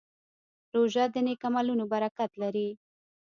روژه د نیک عملونو برکت لري.